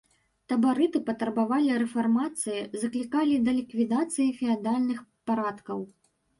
Табарыты патрабавалі рэфармацыі, заклікалі да ліквідацыі феадальных парадкаў.